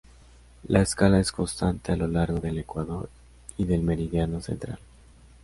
La escala es constante a lo largo del Ecuador y del meridiano central.